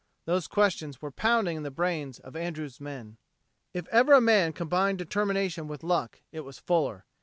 Those questions were pounding in the brains of Andrews' men. If ever a man combined determination with luck it was Fuller.